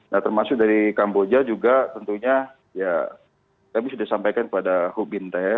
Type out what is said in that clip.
nah termasuk dari kamboja juga tentunya ya kami sudah sampaikan kepada hubinte